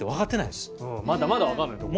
まだまだ分からないとこが。